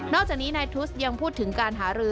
จากนี้นายทุสยังพูดถึงการหารือ